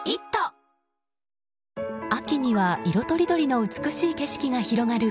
秋には色とりどりの美しい景色が広がる